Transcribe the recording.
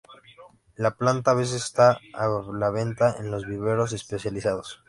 La planta a veces está a la venta en los viveros especializados.